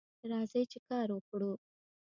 راځئ چې کار وکړو